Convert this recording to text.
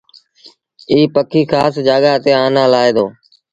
ايٚ پکي کآس جآڳآ تي آنآ لآهي دو۔